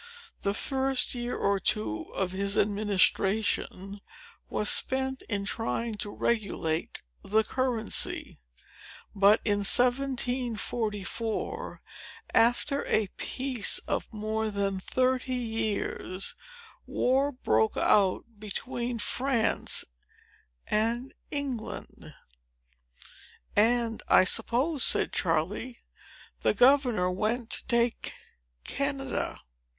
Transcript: The first year or two of his administration was spent in trying to regulate the currency. But, in 1744, after a peace of more than thirty years, war broke out between France and England." "And I suppose," said Charley, "the governor went to take Canada."